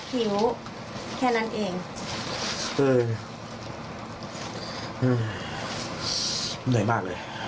คือไม่ห่วงไม่หาวแล้วไป